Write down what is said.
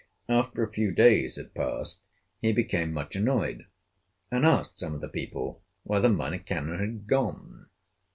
After a few days had passed, he became much annoyed, and asked some of the people where the Minor Canon had gone.